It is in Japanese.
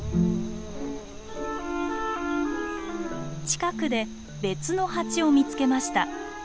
近くで別のハチを見つけました。